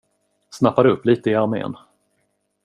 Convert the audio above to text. Snappade upp lite i armén.